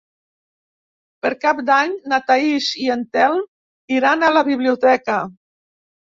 Per Cap d'Any na Thaís i en Telm iran a la biblioteca.